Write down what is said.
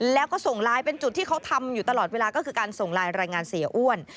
แล้วก็ส่งไลน์เป็นจุดที่เขาทำอยู่ตลอดเวลาก็คือการส่งไลน์รายงานเสียอ้วน